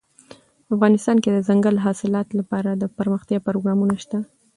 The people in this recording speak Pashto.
افغانستان کې د دځنګل حاصلات لپاره دپرمختیا پروګرامونه شته.